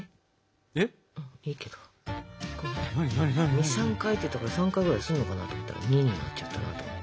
２３回って言ったから３回ぐらいするのかなと思ったら２になっちゃったなと思って。